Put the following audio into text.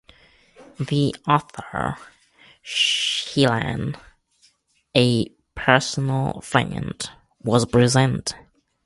The author, Sheehan, a personal friend, was present.